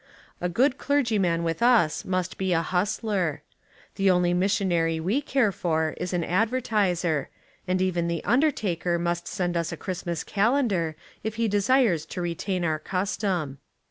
A good clergyman with us must be a hustler. The only missionary we care for is an advertiser, and even the undertaker must send us a Christmas calendar if he desires to retain our custom.